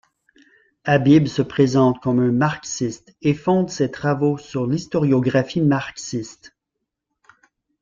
Habib se présente comme un marxiste et fonde ses travaux sur l'historiographie marxiste.